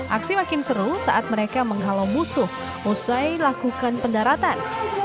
aksi makin seru saat mereka menghalau musuh usai lakukan pendaratan